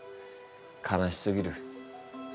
悲しすぎる。